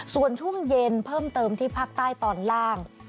ส่วนช่วงเย็นเพิ่มเติมที่ภาคใต้ตอนล่าง